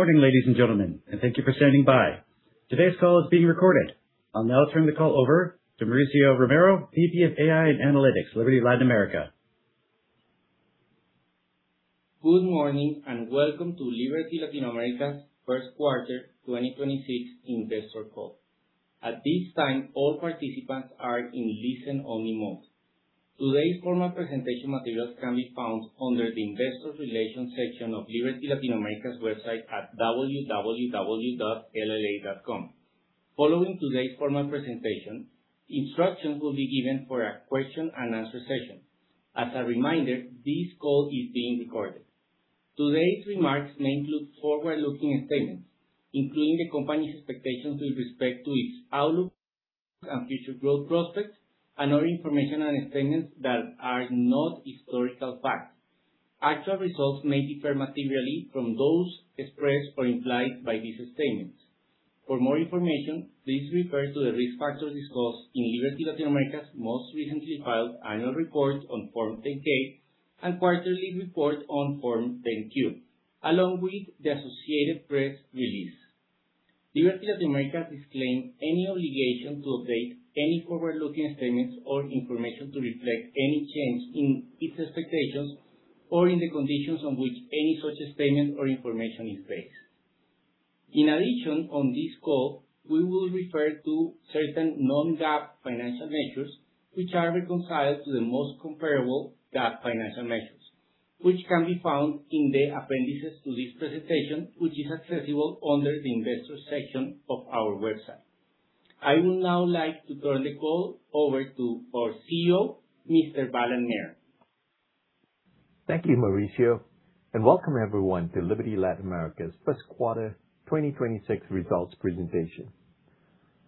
Morning, ladies and gentlemen, and thank you for standing by. Today's call is being recorded. I'll now turn the call over to Mauricio Romero, VP of AI and Analytics, Liberty Latin America. Good morning, and welcome to Liberty Latin America's first quarter 2026 investor call. Today's formal presentation materials can be found under the investor relations section of Liberty Latin America's website at www.lla.com. Today's remarks may include forward-looking statements, including the company's expectations with respect to its outlook and future growth prospects and other informational statements that are not historical facts. Actual results may differ materially from those expressed or implied by these statements. For more information, please refer to the risk factors discussed in Liberty Latin America's most recently filed annual report on Form 10-K and quarterly report on Form 10-Q, along with the associated press release. Liberty Latin America disclaim any obligation to update any forward-looking statements or information to reflect any change in its expectations or in the conditions on which any such statement or information is based. In addition, on this call, we will refer to certain non-GAAP financial measures which are reconciled to the most comparable GAAP financial measures, which can be found in the appendices to this presentation, which is accessible under the investor section of our website. I would now like to turn the call over to our CEO, Mr. Balan Nair. Thank you, Mauricio, welcome everyone to Liberty Latin America's first quarter 2026 results presentation.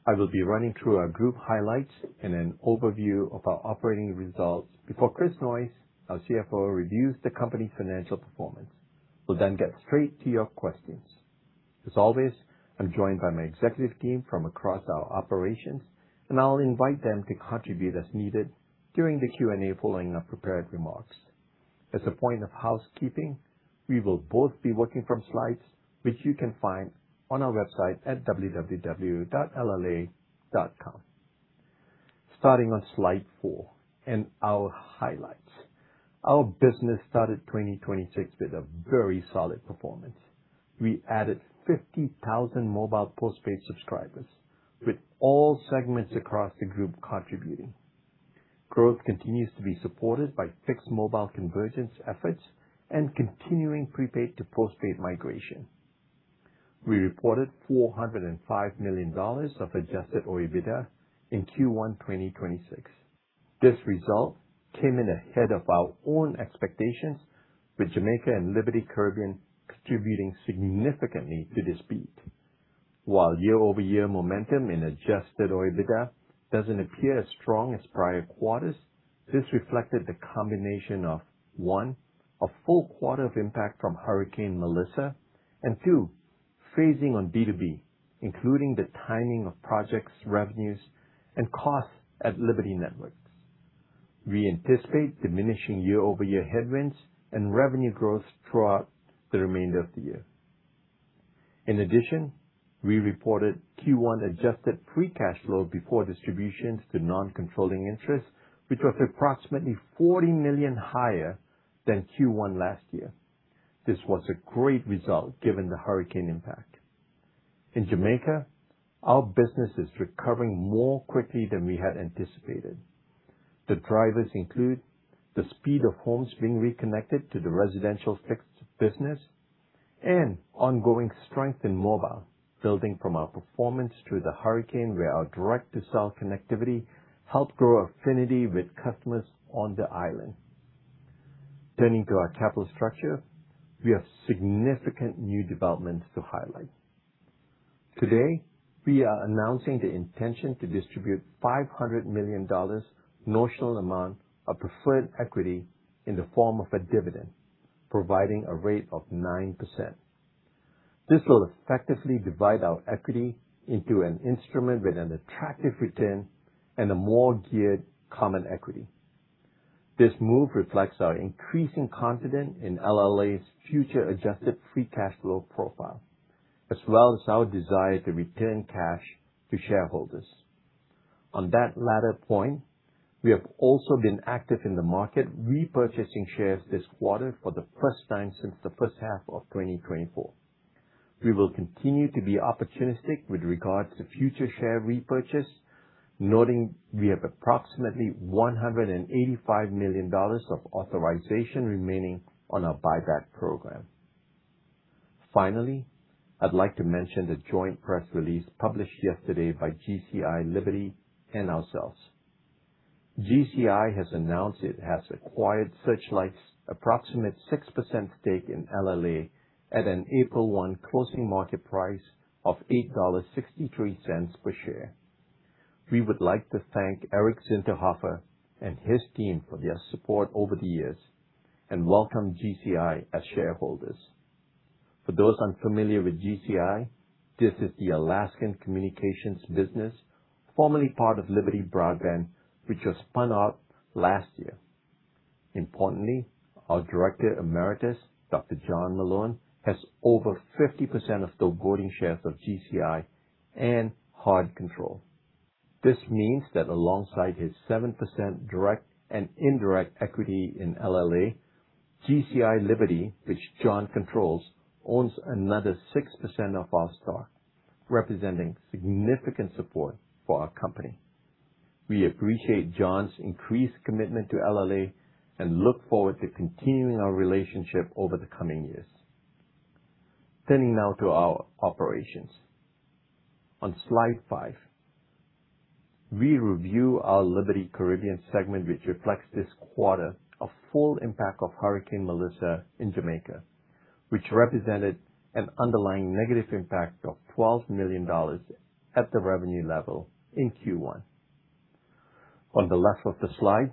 I will be running through our group highlights and an overview of our operating results before Chris Noyes, our CFO, reviews the company's financial performance. We'll get straight to your questions. As always, I'm joined by my executive team from across our operations, and I'll invite them to contribute as needed during the Q&A following our prepared remarks. As a point of housekeeping, we will both be working from slides which you can find on our website at www.lla.com. Starting on slide four and our highlights. Our business started 2026 with a very solid performance. We added 50,000 mobile postpaid subscribers, with all segments across the group contributing. Growth continues to be supported by fixed mobile convergence efforts and continuing prepaid to postpaid migration. We reported $405 million of Adjusted OIBDA in Q1 2026. This result came in ahead of our own expectations, with Jamaica and Liberty Caribbean contributing significantly to this beat. While year-over-year momentum in Adjusted OIBDA doesn't appear as strong as prior quarters, this reflected the combination of, one, a full quarter of impact from Hurricane Melissa, and two, phasing on B2B, including the timing of projects, revenues, and costs at Liberty Networks. We anticipate diminishing year-over-year headwinds and revenue growth throughout the remainder of the year. In addition, we reported Q1 adjusted free cash flow before distributions to non-controlling interests, which was approximately $40 million higher than Q1 last year. This was a great result given the hurricane impact. In Jamaica, our business is recovering more quickly than we had anticipated. The drivers include the speed of homes being reconnected to the residential fixed business and ongoing strength in mobile, building from our performance through the hurricane, where our direct-to-cell connectivity helped grow affinity with customers on the island. Turning to our capital structure, we have significant new developments to highlight. Today, we are announcing the intention to distribute $500 million notional amount of preferred equity in the form of a dividend, providing a rate of 9%. This will effectively divide our equity into an instrument with an attractive return and a more geared common equity. This move reflects our increasing confidence in LLA's future adjusted free cash flow profile, as well as our desire to return cash to shareholders. On that latter point, we have also been active in the market, repurchasing shares this quarter for the first time since the first half of 2024. We will continue to be opportunistic with regards to future share repurchase, noting we have approximately $185 million of authorization remaining on our buyback program. I'd like to mention the joint press release published yesterday by GCI Liberty and ourselves. GCI has announced it has acquired Searchlight's approximate 6% stake in LLA at an April 1 closing market price of $8.63 per share. We would like to thank Eric Zinterhofer and his team for their support over the years and welcome GCI as shareholders. For those unfamiliar with GCI, this is the Alaskan communications business, formerly part of Liberty Broadband, which was spun out last year. Our Director Emeritus, John Malone, has over 50% of the voting shares of GCI and hard control. This means that alongside his 7% direct and indirect equity in LLA, GCI Liberty, which John controls, owns another 6% of our stock, representing significant support for our company. We appreciate John's increased commitment to LLA and look forward to continuing our relationship over the coming years. Turning now to our operations. On slide 5, we review our Liberty Caribbean segment, which reflects this quarter a full impact of Hurricane Melissa in Jamaica, which represented an underlying negative impact of $12 million at the revenue level in Q1. On the left of the slide,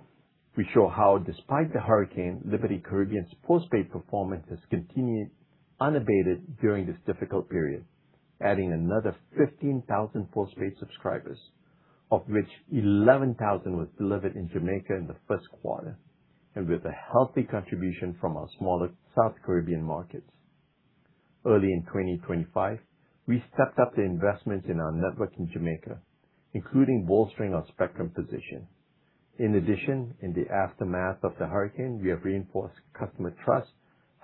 we show how despite the hurricane, Liberty Caribbean's postpaid performance has continued unabated during this difficult period, adding another 15,000 postpaid subscribers, of which 11,000 was delivered in Jamaica in the first quarter, and with a healthy contribution from our smaller South Caribbean markets. Early in 2025, we stepped up the investment in our network in Jamaica, including bolstering our spectrum position. In the aftermath of the hurricane, we have reinforced customer trust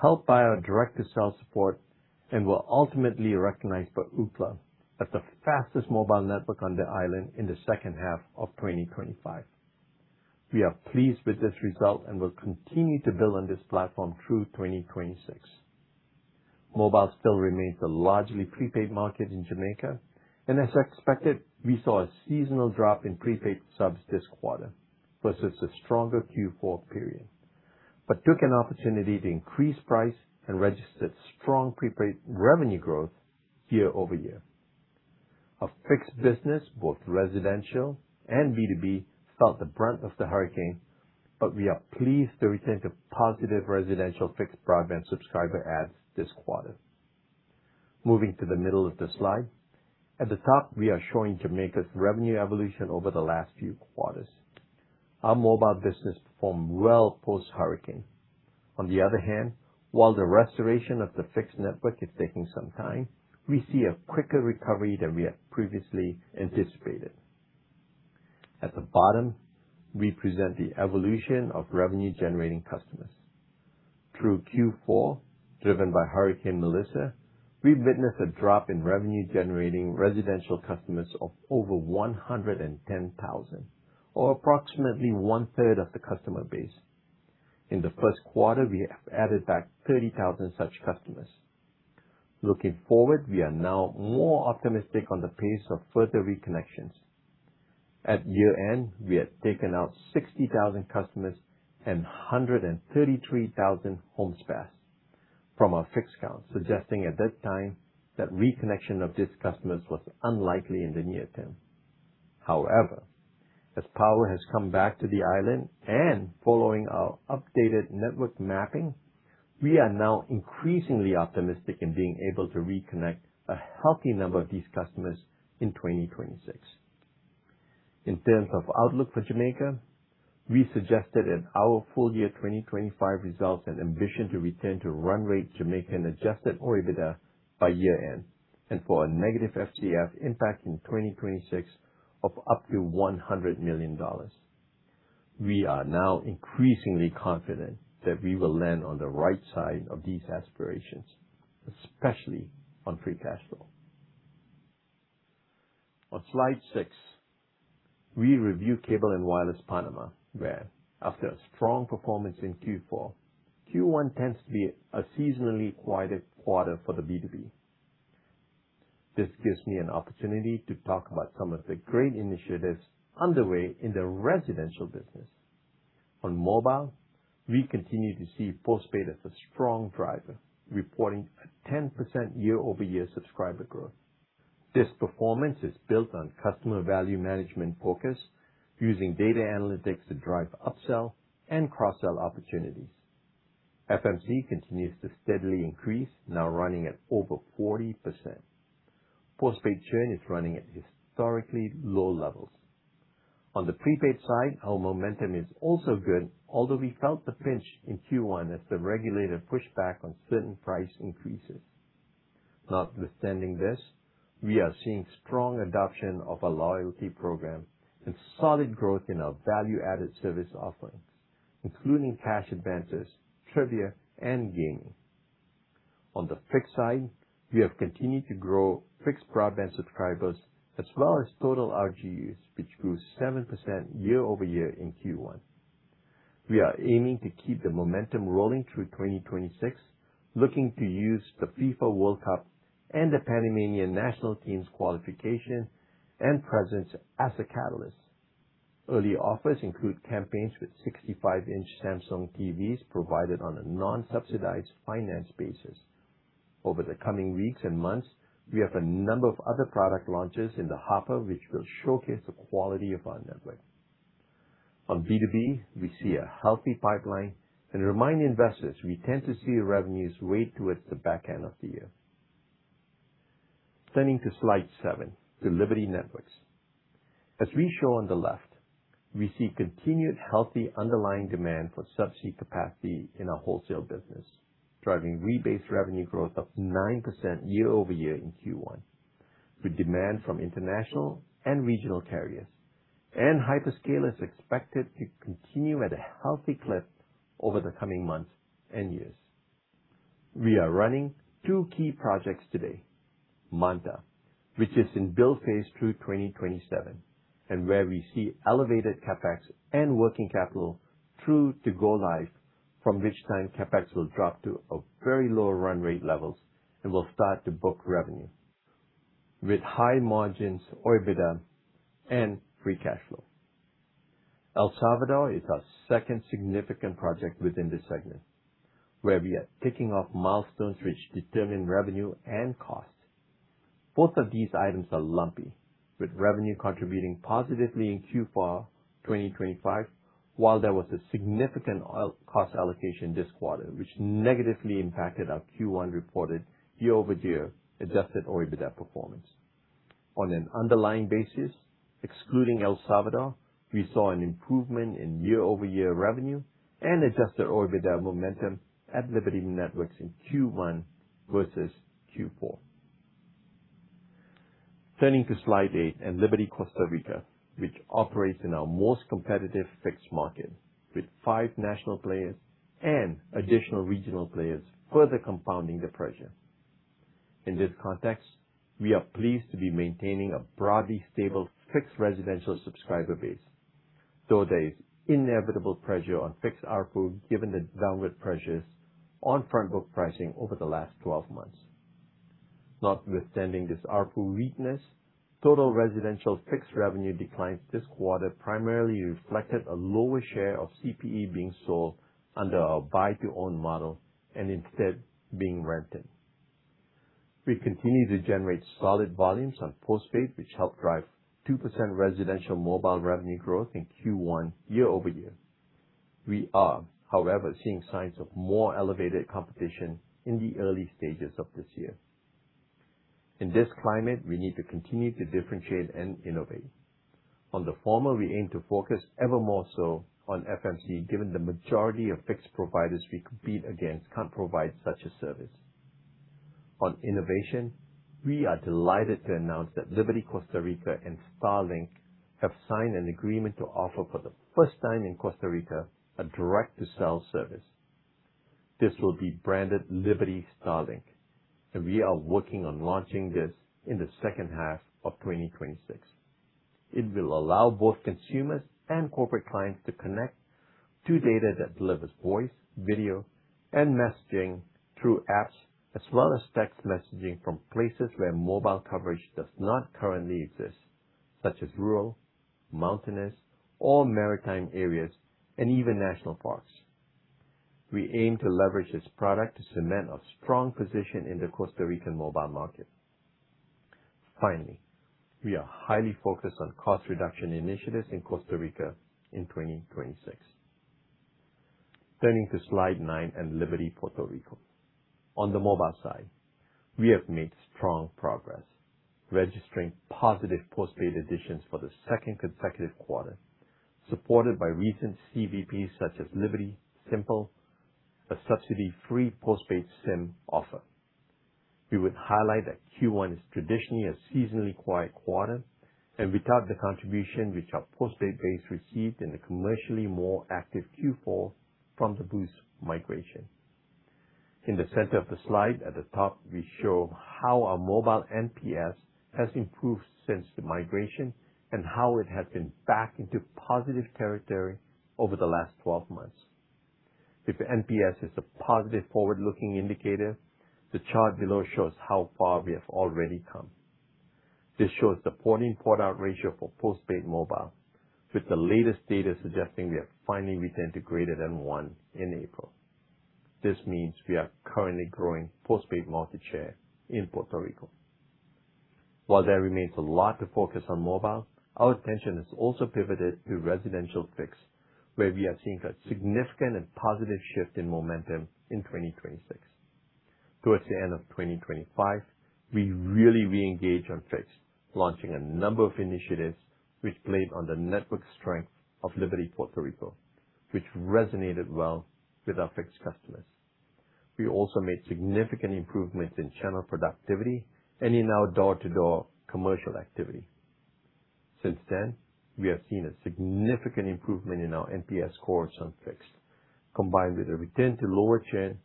helped by our direct-to-cell support and were ultimately recognized by Ookla as the fastest mobile network on the island in the second half of 2025. We are pleased with this result and will continue to build on this platform through 2026. Mobile still remains a largely prepaid market in Jamaica, as expected, we saw a seasonal drop in prepaid subs this quarter versus a stronger Q4 period, took an opportunity to increase price and registered strong prepaid revenue growth year-over-year. Our fixed business, both residential and B2B, felt the brunt of the hurricane, we are pleased to retain the positive residential fixed broadband subscriber adds this quarter. Moving to the middle of the slide. At the top, we are showing Jamaica's revenue evolution over the last few quarters. Our mobile business performed well post-hurricane. On the other hand, while the restoration of the fixed network is taking some time, we see a quicker recovery than we had previously anticipated. At the bottom, we present the evolution of revenue-generating customers. Through Q4, driven by Hurricane Melissa, we've witnessed a drop in revenue generating residential customers of over 110,000, or approximately 1/3 of the customer base. In the first quarter, we have added back 30,000 such customers. Looking forward, we are now more optimistic on the pace of further reconnections. At year-end, we had taken out 60,000 customers and 133,000 homes passed from our fixed count, suggesting at that time that reconnection of these customers was unlikely in the near term. As power has come back to the island and following our updated network mapping, we are now increasingly optimistic in being able to reconnect a healthy number of these customers in 2026. In terms of outlook for Jamaica, we suggested at our full year 2025 results an ambition to return to run rate Jamaican Adjusted OIBDA by year-end and for a negative FCF impact in 2026 of up to $100 million. We are now increasingly confident that we will land on the right side of these aspirations, especially on free cash flow. On slide 6, we review Cable & Wireless Panama, where after a strong performance in Q4, Q1 tends to be a seasonally quieted quarter for the B2B. This gives me an opportunity to talk about some of the great initiatives underway in the residential business. On mobile, we continue to see postpaid as a strong driver, reporting a 10% year-over-year subscriber growth. This performance is built on customer value management focus using data analytics to drive upsell and cross-sell opportunities. FMC continues to steadily increase, now running at over 40%. Postpaid churn is running at historically low levels. On the prepaid side, our momentum is also good, although we felt the pinch in Q1 as the regulator pushed back on certain price increases. Notwithstanding this, we are seeing strong adoption of a loyalty program and solid growth in our value-added service offerings, including cash advances, trivia, and gaming. On the fixed side, we have continued to grow fixed broadband subscribers as well as total RGUs, which grew 7% year-over-year in Q1. We are aiming to keep the momentum rolling through 2026, looking to use the FIFA World Cup and the Panamanian national team's qualification and presence as a catalyst. Early offers include campaigns with 65-inch Samsung TVs provided on a non-subsidized finance basis. Over the coming weeks and months, we have a number of other product launches in the hopper which will showcase the quality of our network. On B2B, we see a healthy pipeline and remind investors we tend to see revenues weigh towards the back end of the year. Turning to slide seven, to Liberty Networks. As we show on the left, we see continued healthy underlying demand for sub-sea capacity in our wholesale business, driving rebased revenue growth of 9% year-over-year in Q1, with demand from international and regional carriers and hyperscalers expected to continue at a healthy clip over the coming months and years. We are running two key projects today, Manta, which is in build phase through 2027, and where we see elevated CapEx and working capital through to go live, from which time CapEx will drop to a very low run rate levels and will start to book revenue. With high margins or EBITDA and free cash flow. El Salvador is our second significant project within this segment, where we are ticking off milestones which determine revenue and cost. Both of these items are lumpy, with revenue contributing positively in Q4 2025, while there was a significant cost allocation this quarter, which negatively impacted our Q1 reported year-over-year Adjusted OIBDA performance. On an underlying basis, excluding El Salvador, we saw an improvement in year-over-year revenue and Adjusted OIBDA momentum at Liberty Networks in Q1 versus Q4. Turning to slide eight and Liberty Costa Rica, which operates in our most competitive fixed market, with five national players and additional regional players further compounding the pressure. In this context, we are pleased to be maintaining a broadly stable fixed residential subscriber base, though there is inevitable pressure on fixed ARPU given the downward pressures on front book pricing over the last 12 months. Notwithstanding this ARPU weakness, total residential fixed revenue declines this quarter primarily reflected a lower share of CPE being sold under our buy to own model and instead being rented. We continue to generate solid volumes on postpaid, which helped drive 2% residential mobile revenue growth in Q1 year-over-year. We are, however, seeing signs of more elevated competition in the early stages of this year. In this climate, we need to continue to differentiate and innovate. On the former, we aim to focus ever more so on FMC, given the majority of fixed providers we compete against can't provide such a service. On innovation, we are delighted to announce that Liberty Costa Rica and Starlink have signed an agreement to offer for the first time in Costa Rica a direct-to-cell service. This will be branded Liberty-Starlink, and we are working on launching this in the second half of 2026. It will allow both consumers and corporate clients to connect to data that delivers voice, video, and messaging through apps as well as text messaging from places where mobile coverage does not currently exist, such as rural, mountainous or maritime areas and even national parks. We aim to leverage this product to cement a strong position in the Costa Rican mobile market. Finally, we are highly focused on cost reduction initiatives in Costa Rica in 2026. Turning to slide nine and Liberty Puerto Rico. On the mobile side, we have made strong progress, registering positive postpaid additions for the second consecutive quarter, supported by recent CVPs such as Liberty SIMple, a subsidy-free postpaid SIM offer. We would highlight that Q1 is traditionally a seasonally quiet quarter, and without the contribution which our postpaid base received in the commercially more active Q4 from the Boost migration. In the center of the slide at the top, we show how our mobile NPS has improved since the migration and how it has been back into positive territory over the last 12 months. If NPS is a positive forward-looking indicator, the chart below shows how far we have already come. This shows the port in port out ratio for postpaid mobile, with the latest data suggesting we have finally retained a greater than 1 in April. This means we are currently growing postpaid market share in Puerto Rico. While there remains a lot to focus on mobile, our attention has also pivoted to residential fixed, where we are seeing a significant and positive shift in momentum in 2026. Towards the end of 2025, we really re-engage on fixed, launching a number of initiatives which played on the network strength of Liberty Puerto Rico, which resonated well with our fixed customers. We also made significant improvements in channel productivity and in our door to door commercial activity. Since then, we have seen a significant improvement in our NPS scores on fixed, combined with a return to lower churn,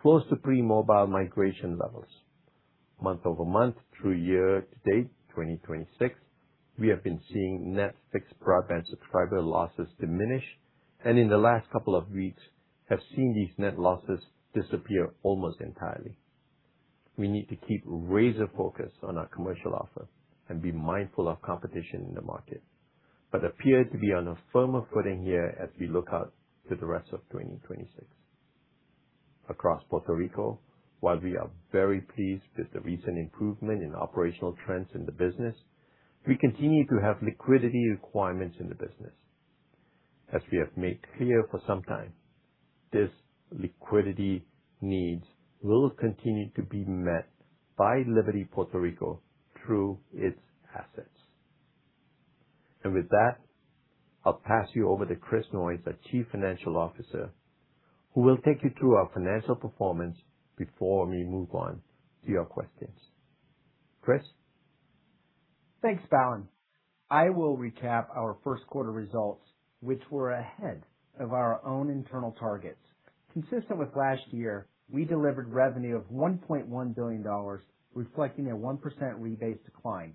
close to pre-mobile migration levels. Month-over-month through year to date 2026, we have been seeing net fixed broadband subscriber losses diminish, and in the last couple of weeks have seen these net losses disappear almost entirely. We need to keep razor focus on our commercial offer and be mindful of competition in the market, but appear to be on a firmer footing here as we look out to the rest of 2026. Across Puerto Rico, while we are very pleased with the recent improvement in operational trends in the business, we continue to have liquidity requirements in the business. As we have made clear for some time, this liquidity needs will continue to be met by Liberty Puerto Rico through its assets. With that, I'll pass you over to Chris Noyes, our Chief Financial Officer, who will take you through our financial performance before we move on to your questions. Chris? Thanks, Balan. I will recap our first quarter results, which were ahead of our own internal targets. Consistent with last year, we delivered revenue of $1.1 billion, reflecting a 1% rebased decline.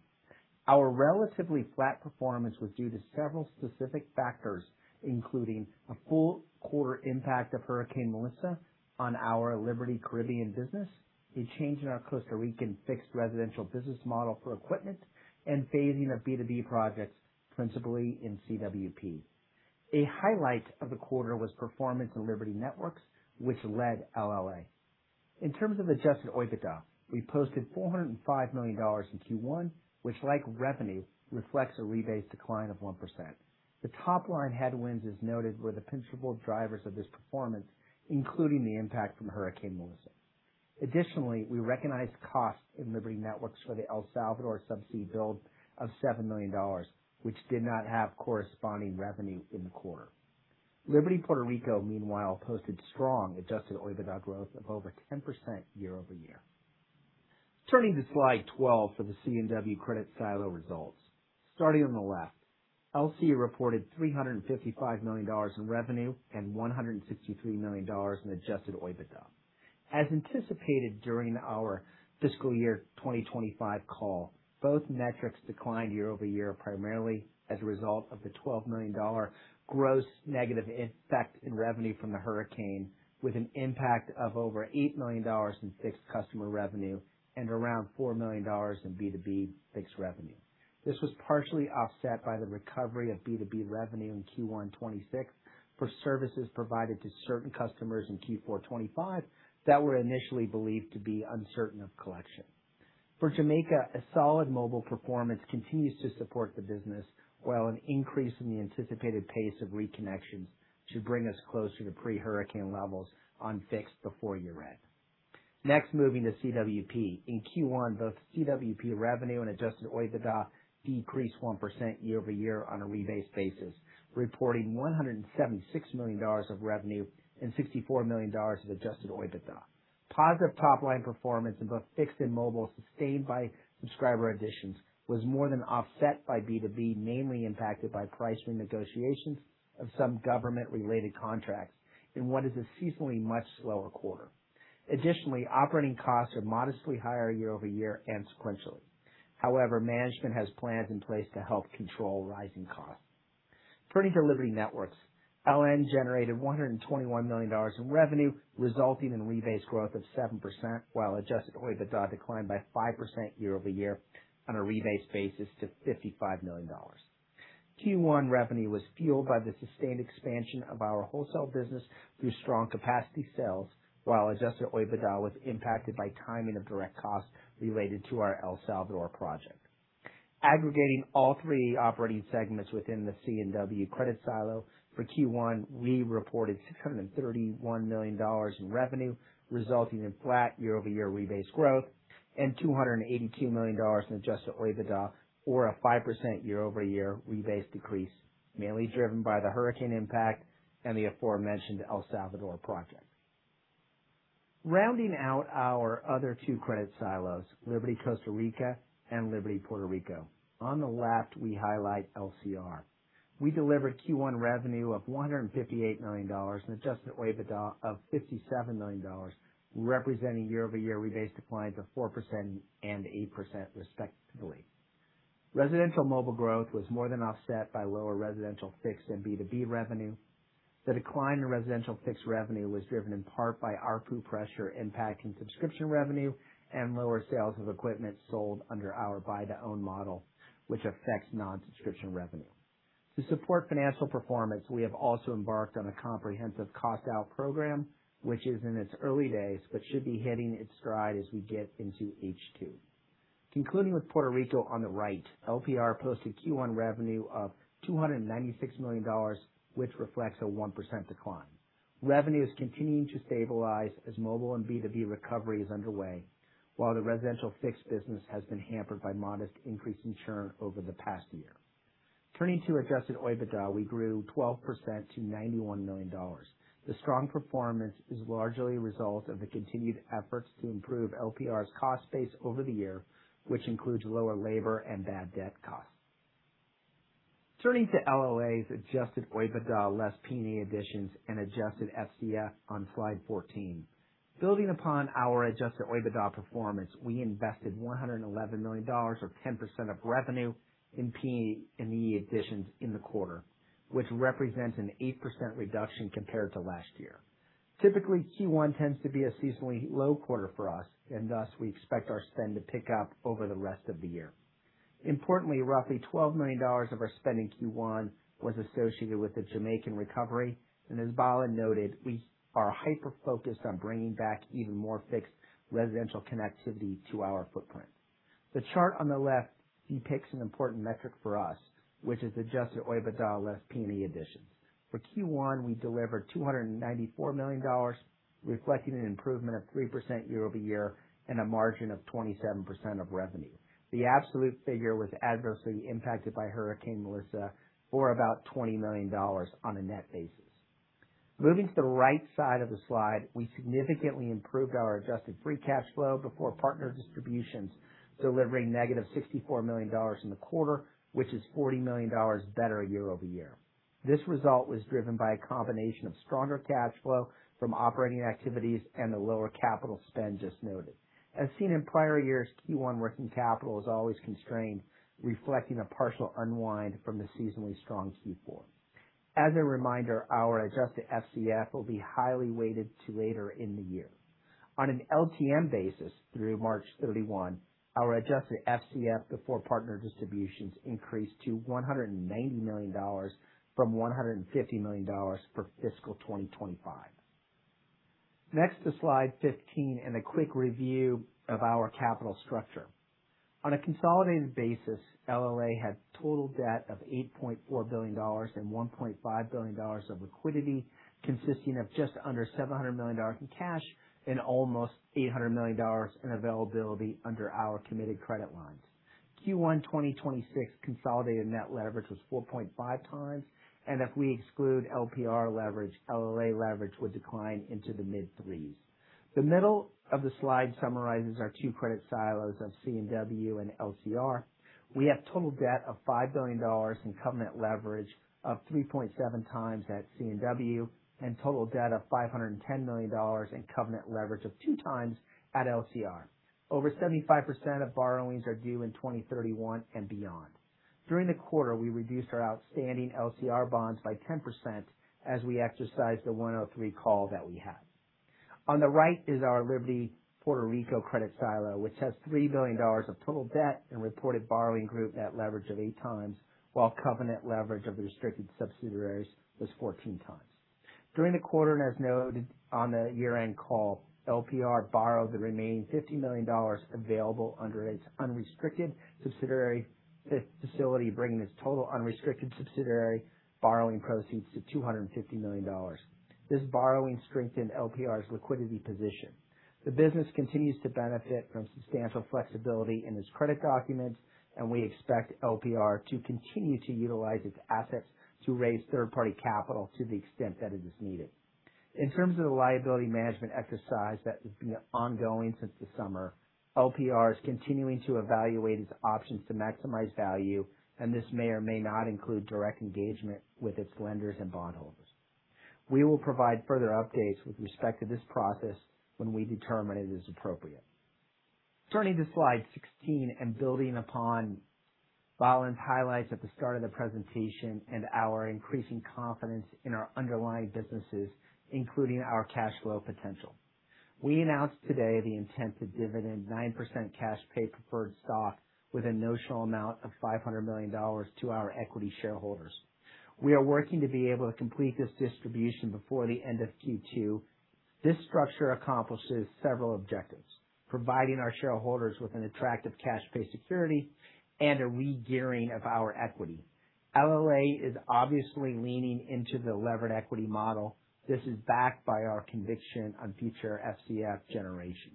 Our relatively flat performance was due to several specific factors, including a full quarter impact of Hurricane Melissa on our Liberty Caribbean business, a change in our Costa Rican fixed residential business model for equipment, and phasing of B2B projects, principally in CWP. A highlight of the quarter was performance in Liberty Networks, which led LLA. In terms of Adjusted OIBDA, we posted $405 million in Q1, which like revenue, reflects a rebased decline of 1%. The top line headwinds, as noted, were the principal drivers of this performance, including the impact from Hurricane Melissa. We recognized costs in Liberty Networks for the El Salvador subsea build of $7 million, which did not have corresponding revenue in the quarter. Liberty Puerto Rico, meanwhile, posted strong Adjusted OIBDA growth of over 10% year-over-year. Turning to slide 12 for the C&W credit silo results. Starting on the left, LCE reported $355 million in revenue and $163 million in Adjusted OIBDA. As anticipated during our FY 2025 call, both metrics declined year-over-year, primarily as a result of the $12 million gross negative effect in revenue from the hurricane, with an impact of over $8 million in fixed customer revenue and around $4 million in B2B fixed revenue. This was partially offset by the recovery of B2B revenue in Q1 2026 for services provided to certain customers in Q4 2025 that were initially believed to be uncertain of collection. For Jamaica, a solid mobile performance continues to support the business, while an increase in the anticipated pace of reconnections should bring us closer to pre-hurricane levels on fixed before year end. Moving to CWP. In Q1, both CWP revenue and Adjusted OIBDA decreased 1% year-over-year on a rebased basis, reporting $176 million of revenue and $64 million of Adjusted OIBDA. Positive top-line performance in both fixed and mobile, sustained by subscriber additions, was more than offset by B2B, mainly impacted by pricing negotiations of some government-related contracts in what is a seasonally much slower quarter. Operating costs are modestly higher year-over-year and sequentially. However, management has plans in place to help control rising costs. Turning to Liberty Networks. LN generated $121 million in revenue, resulting in rebased growth of 7%, while Adjusted OIBDA declined by 5% year-over-year on a rebased basis to $55 million. Q1 revenue was fueled by the sustained expansion of our wholesale business through strong capacity sales, while Adjusted OIBDA was impacted by timing of direct costs related to our El Salvador project. Aggregating all three operating segments within the C&W credit silo for Q1, we reported $631 million in revenue, resulting in flat year-over-year rebased growth and $282 million in Adjusted OIBDA or a 5% year-over-year rebased decrease, mainly driven by the hurricane impact and the aforementioned El Salvador project. Rounding out our other two credit silos, Liberty Costa Rica and Liberty Puerto Rico. On the left, we highlight LCR. We delivered Q1 revenue of $158 million and adjusted OIBDA of $57 million, representing year-over-year rebased declines of 4% and 8% respectively. Residential mobile growth was more than offset by lower residential fixed and B2B revenue. The decline in residential fixed revenue was driven in part by ARPU pressure impacting subscription revenue and lower sales of equipment sold under our buy to own model, which affects non-subscription revenue. To support financial performance, we have also embarked on a comprehensive cost out program, which is in its early days, but should be hitting its stride as we get into H2. Concluding with Puerto Rico on the right, LPR posted Q1 revenue of $296 million, which reflects a 1% decline. Revenue is continuing to stabilize as mobile and B2B recovery is underway, while the residential fixed business has been hampered by modest increase in churn over the past year. Turning to Adjusted OIBDA, we grew 12% to $91 million. The strong performance is largely a result of the continued efforts to improve LPR's cost base over the year, which includes lower labor and bad debt costs. Turning to LLA's Adjusted OIBDA less P&E additions and adjusted FCF on slide 14. Building upon our Adjusted OIBDA performance, we invested $111 million or 10% of revenue in P&E additions in the quarter, which represents an 8% reduction compared to last year. Typically, Q1 tends to be a seasonally low quarter for us, thus we expect our spend to pick up over the rest of the year. Importantly, roughly $12 million of our spend in Q1 was associated with the Jamaican recovery. As Balan noted, we are hyper-focused on bringing back even more fixed residential connectivity to our footprint. The chart on the left depicts an important metric for us, which is Adjusted OIBDA less P&E additions. For Q1, we delivered $294 million, reflecting an improvement of 3% year-over-year and a margin of 27% of revenue. The absolute figure was adversely impacted by Hurricane Melissa for about $20 million on a net basis. Moving to the right side of the slide, we significantly improved our adjusted free cash flow before partner distributions, delivering negative $64 million in the quarter, which is $40 million better year-over-year. This result was driven by a combination of stronger cash flow from operating activities and the lower capital spend just noted. As seen in prior years, Q1 working capital is always constrained, reflecting a partial unwind from the seasonally strong Q4. As a reminder, our adjusted FCF will be highly weighted to later in the year. On an LTM basis through March 31, our adjusted FCF before partner distributions increased to $190 million from $150 million for fiscal 2025. Next to slide 15 and a quick review of our capital structure. On a consolidated basis, LLA had total debt of $8.4 billion and $1.5 billion of liquidity, consisting of just under $700 million in cash and almost $800 million in availability under our committed credit lines. Q1 2026 consolidated net leverage was 4.5x, and if we exclude LPR leverage, LLA leverage would decline into the mid-3s. The middle of the slide summarizes our two credit silos of C&W and LCR. We have total debt of $5 billion and covenant leverage of 3.7x at C&W, and total debt of $510 million and covenant leverage of 2x at LCR. Over 75% of borrowings are due in 2031 and beyond. During the quarter, we reduced our outstanding LCR bonds by 10% as we exercised the 103 call that we had. On the right is our Liberty Puerto Rico credit silo, which has $3 billion of total debt and reported borrowing group net leverage of 8 times, while covenant leverage of restricted subsidiaries was 14x. During the quarter, as noted on the year-end call, LPR borrowed the remaining $50 million available under its unrestricted subsidiary facility, bringing its total unrestricted subsidiary borrowing proceeds to $250 million. This borrowing strengthened LPR's liquidity position. The business continues to benefit from substantial flexibility in its credit documents, we expect LPR to continue to utilize its assets to raise third-party capital to the extent that it is needed. In terms of the liability management exercise that has been ongoing since the summer, LPR is continuing to evaluate its options to maximize value, and this may or may not include direct engagement with its lenders and bondholders. We will provide further updates with respect to this process when we determine it is appropriate. Turning to slide 16 and building upon Balan's highlights at the start of the presentation and our increasing confidence in our underlying businesses, including our cash flow potential. We announced today the intent to dividend 9% cash paid preferred stock with a notional amount of $500 million to our equity shareholders. We are working to be able to complete this distribution before the end of Q2. This structure accomplishes several objectives, providing our shareholders with an attractive cash pay security and a regearing of our equity. LLA is obviously leaning into the levered equity model. This is backed by our conviction on future FCF generation.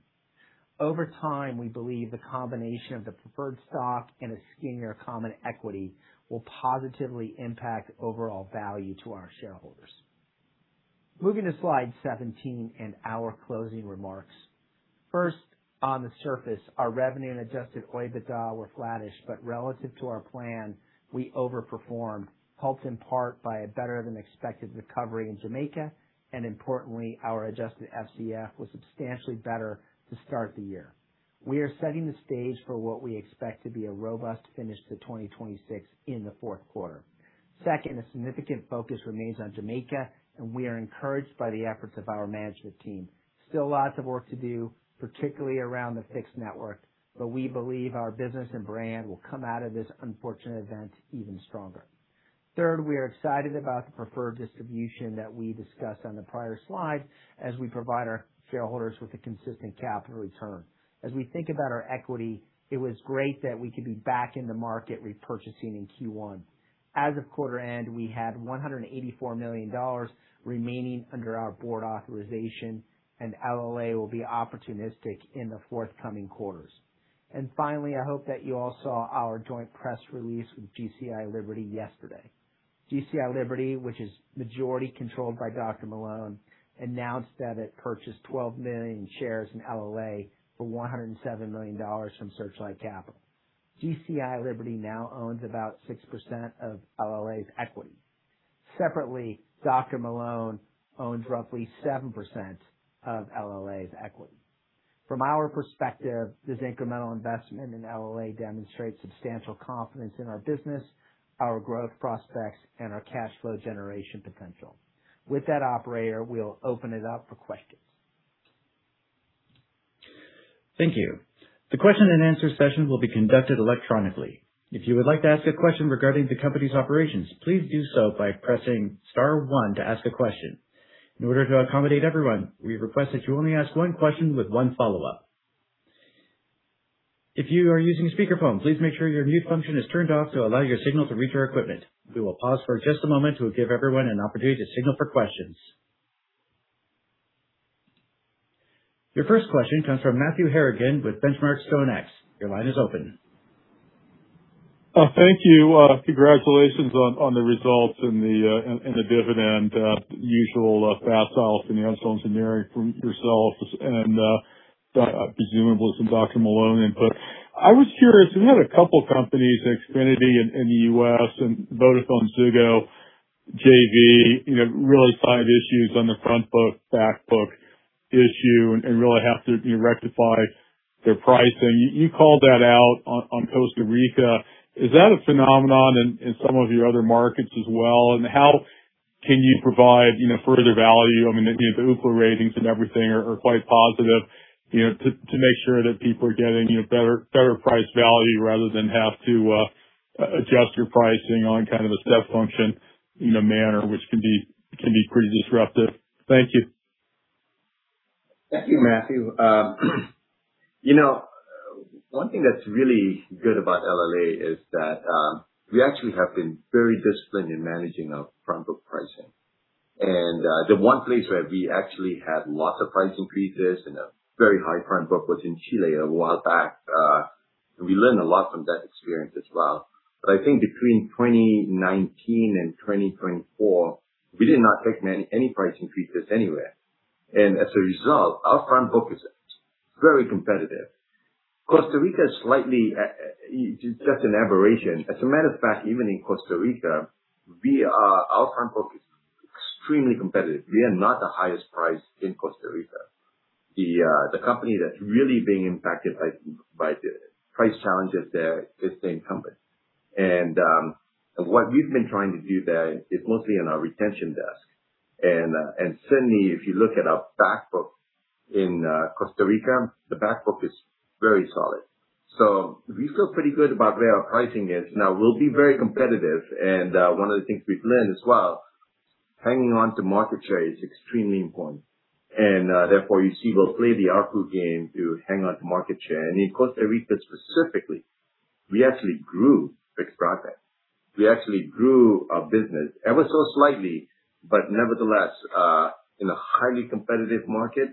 Over time, we believe the combination of the preferred stock and a skinnier common equity will positively impact overall value to our shareholders. Moving to slide 17 and our closing remarks. First, on the surface, our revenue and Adjusted OIBDA were flattish, but relative to our plan, we overperformed, helped in part by a better than expected recovery in Jamaica. Importantly, our adjusted FCF was substantially better to start the year. We are setting the stage for what we expect to be a robust finish to 2026 in the fourth quarter. Second, a significant focus remains on Jamaica, and we are encouraged by the efforts of our management team. Still lots of work to do, particularly around the fixed network, but we believe our business and brand will come out of this unfortunate event even stronger. Third, we are excited about the preferred distribution that we discussed on the prior slide as we provide our shareholders with a consistent capital return. As we think about our equity, it was great that we could be back in the market repurchasing in Q1. As of quarter end, we had $184 million remaining under our board authorization, and LLA will be opportunistic in the forthcoming quarters. Finally, I hope that you all saw our joint press release with GCI Liberty yesterday. GCI Liberty, which is majority controlled by John Malone, announced that it purchased 12 million shares in LLA for $107 million from Searchlight Capital. GCI Liberty now owns about 6% of LLA's equity. Separately, John Malone owns roughly 7% of LLA's equity. From our perspective, this incremental investment in LLA demonstrates substantial confidence in our business, our growth prospects, and our cash flow generation potential. With that, operator, we'll open it up for questions. Thank you. The question and answer session will be conducted electronically. If you would like to ask a question regarding the company's operations, please do so by pressing star 1 to ask a question. In order to accommodate everyone, we request that you only ask one question with one follow-up. If you are using a speakerphone, please make sure your mute function is turned off to allow your signal to reach our equipment. We will pause for just a moment to give everyone an opportunity to signal for questions. Your first question comes from Matthew Harrigan with The Benchmark Company. Your line is open. Thank you. Congratulations on the results and the dividend. The usual from yourselves and presumably some John Malone input. I was curious. We had a couple companies, Xfinity in the U.S. and VodafoneZiggo, JV, you know, really five issues on the front book, back book issue and really have to, you know, rectify their pricing. You called that out on Costa Rica. Is that a phenomenon in some of your other markets as well? How can you provide, you know, further value? I mean, you know, the UPRA ratings and everything are quite positive, you know, to make sure that people are getting, you know, better price value rather than have to adjust your pricing on kind of a step function in a manner which can be pretty disruptive. Thank you. Thank you, Matthew. You know, one thing that's really good about LLA is that we actually have been very disciplined in managing our front book pricing. The one place where we actually had lots of price increases and a very high front book was in Chile a while back. We learned a lot from that experience as well. I think between 2019 and 2024, we did not take any price increases anywhere. As a result, our front book is very competitive. Costa Rica is slightly, it's just an aberration. As a matter of fact, even in Costa Rica, our front book is extremely competitive. We are not the highest price in Costa Rica. The company that's really being impacted by the price challenges there is the incumbent. What we've been trying to do there is mostly on our retention desk. Certainly if you look at our back book in Costa Rica, the back book is very solid. We feel pretty good about where our pricing is. We'll be very competitive. One of the things we've learned as well, hanging on to market share is extremely important. Therefore, you see we'll play the ARPU game to hang on to market share. In Costa Rica specifically, we actually grew fixed broadband. We actually grew our business ever so slightly, but nevertheless, in a highly competitive market,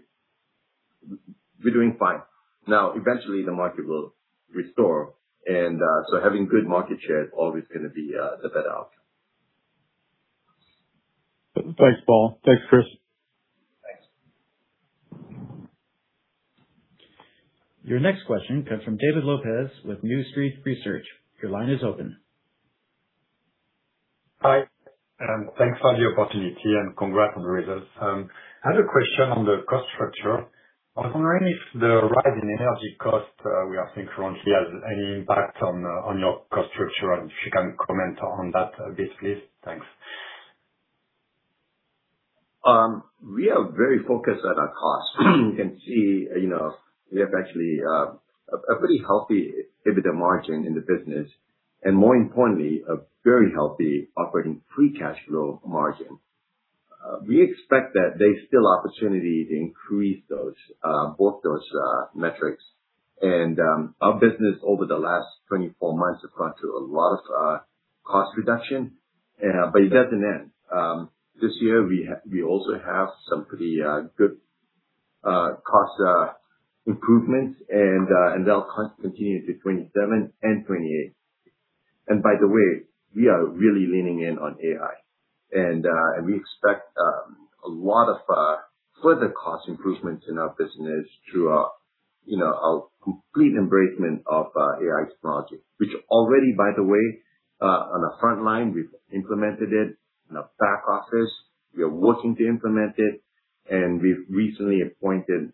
we're doing fine. Eventually the market will restore and having good market share is always gonna be the better outcome. Thanks, Balan Nair. Thanks, Chris Noyes. Thanks. Your next question comes from David Lopes with New Street Research. Your line is open. Hi, and thanks for the opportunity and congrats on the results. I had a question on the cost structure. I was wondering if the rise in energy cost we are seeing currently has any impact on your cost structure, and if you can comment on that a bit, please. Thanks. We are very focused on our costs. You can see, you know, we have actually a pretty healthy EBITDA margin in the business and more importantly, a very healthy operating free cash flow margin. We expect that there's still opportunity to increase both those metrics. Our business over the last 24 months have gone through a lot of cost reduction. It doesn't end. This year we also have some pretty good cost improvements. They'll continue to 27 and 28. By the way, we are really leaning in on AI. We expect a lot of further cost improvements in our business through our, you know, our complete embracement of AI technology. Which already, by the way, on the front line, we've implemented it. In the back office, we are working to implement it. We've recently appointed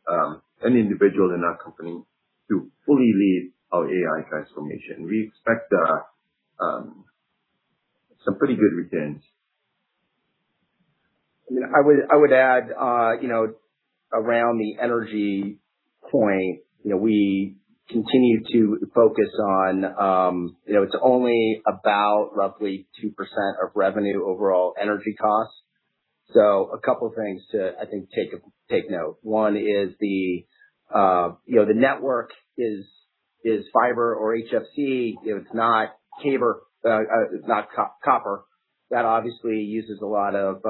an individual in our company to fully lead our AI transformation. We expect some pretty good returns. I mean, I would add, you know, around the energy point, you know, we continue to focus on. It's only about roughly 2% of revenue, overall energy costs. A couple of things to take note. One is the network is fiber or HFC. It's not cable, it's not copper. That obviously uses a lot of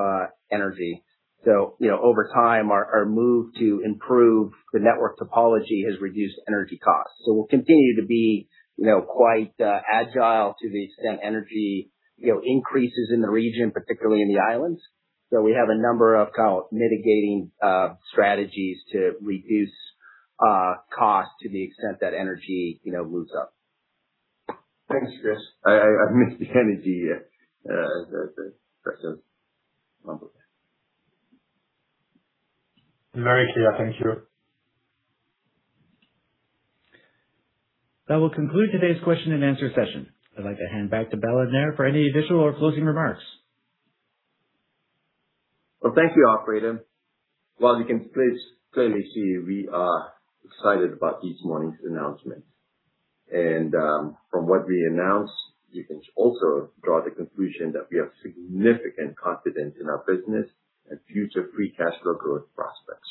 energy. Over time, our move to improve the network topology has reduced energy costs. We'll continue to be quite agile to the extent energy increases in the region, particularly in the islands. We have a number of kind of mitigating strategies to reduce cost to the extent that energy moves up. Thanks, Chris. I missed the energy, the number. Very clear. Thank you. That will conclude today's question and answer session. I'd like to hand back to Balan Nair for any additional or closing remarks. Well, thank you, operator. Well, as you can please clearly see, we are excited about this morning's announcement. From what we announced, you can also draw the conclusion that we have significant confidence in our business and future free cash flow growth prospects.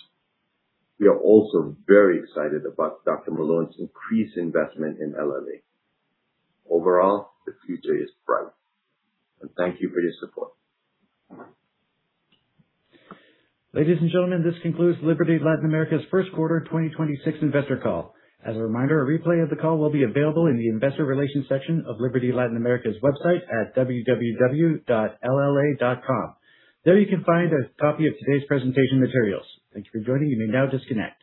We are also very excited about John Malone's increased investment in LLA. Overall, the future is bright. Thank you for your support. Ladies and gentlemen, this concludes Liberty Latin America's first quarter 2026 investor call. As a reminder, a replay of the call will be available in the investor relations section of Liberty Latin America's website at www.lla.com. There, you can find a copy of today's presentation materials. Thank you for joining. You may now disconnect.